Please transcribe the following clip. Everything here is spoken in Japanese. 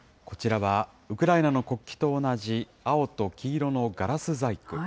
こちらは、ウクライナの国旗と同じ青と黄色のガラス細工。